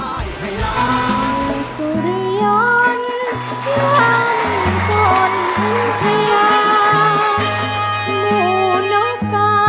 สุริยนต์ที่หลังคนพยายาม